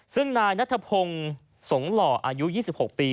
ซึ่งนายนัทพงศ์สงหล่ออายุ๒๖ปี